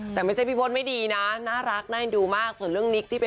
สัญญาหมดไปแล้วครับ